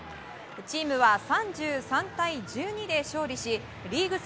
チームは３３対１２で勝利しリーグ戦